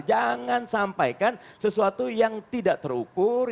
jangan sampaikan sesuatu yang tidak terukur